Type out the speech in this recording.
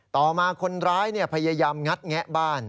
ต่อมาคนร้ายพยายามงัดแงะบ้าน